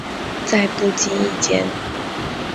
在不经意间